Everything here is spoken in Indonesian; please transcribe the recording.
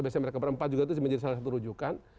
biasanya mereka berempat juga itu menjadi salah satu rujukan